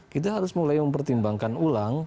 kita harus mulai mempertimbangkan ulang